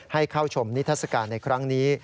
ให้เข้าชมนิทัศกาลในครั้งนี้